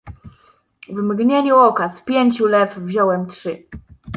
"W mgnieniu oka z pięciu lew wziąłem trzy."